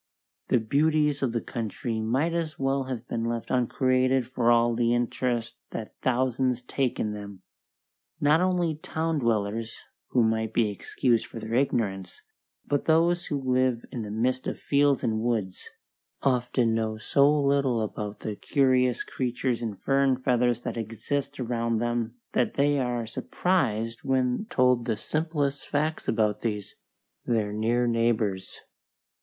The beauties of the country might as well have been left uncreated for all the interest that thousands take in them. Not only town dwellers, who might be excused for their ignorance, but those who live in the midst of fields and woods, often know so little about the curious creatures in fur and feathers that exist around them that they are surprised when told the simplest facts about these, their near neighbours.